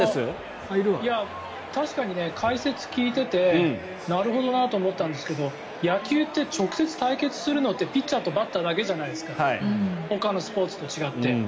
確かに解説を聞いていてなるほどなと思ったんですけど野球って直接対決するのってピッチャーとバッターだけじゃないですかほかのスポーツと違って。